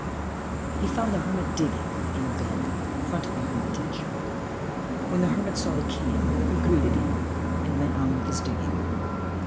He found the hermit digging a bed in front of the hermitage. When the hermit saw the King, he greeted him and went on with his digging.